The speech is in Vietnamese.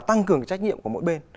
tăng cường trách nhiệm của mỗi bên